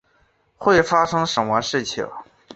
会发生什么事情？